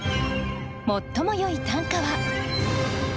最もよい短歌は。